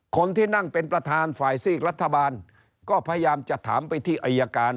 คนที่นั่งเป็นประธานฝ่ายซีกรัฐบาลก็พยายามจะถามไปที่อายการ